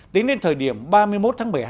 tính đến thời điểm ba mươi một tháng một mươi hai